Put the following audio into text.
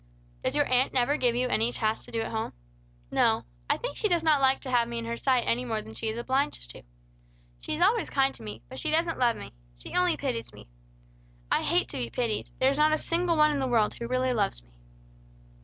"Does your aunt never give you any tasks to do at home?" "No. I think she does not like to have me in her sight any more than she is obliged to. She is always kind to me, but she doesn't love me. She only pities me. I hate to be pitied. There is not a single one in the world who really loves me."